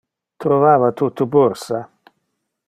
Trovava tu tu bursa?